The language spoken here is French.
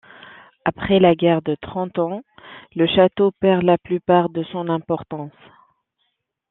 Après la guerre de Trente Ans, le château perd la plupart de son importance.